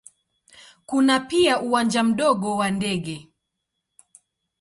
Kuna pia uwanja mdogo wa ndege.